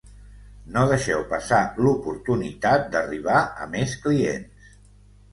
No deixeu passar l'oportunitat d'arribar a més clients.